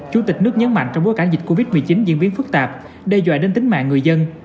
chủ tịch nước nhấn mạnh trong bối cảnh dịch covid một mươi chín diễn biến phức tạp đe dọa đến tính mạng người dân